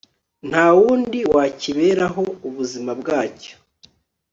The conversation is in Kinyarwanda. nta wundi wakiberaho ubuzima bwacyo